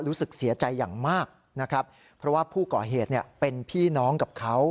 รู้สึกเสียใจอย่างมากนะครับเพราะว่าผู้ก่อเหตุเป็นพี่น้องกับเขา